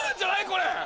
これ！